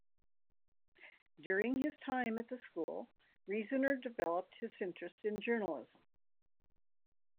During his time at the school, Reasoner developed his interest in journalism.